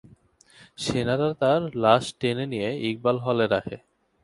সেনারা তার লাশ টেনে নিয়ে ইকবাল হলে রাখে।